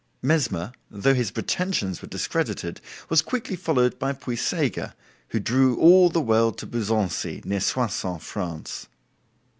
Mesmer, though his pretensions were discredited, was quickly followed by Puysegur, who drew all the world to Buzancy, near Soissons, France.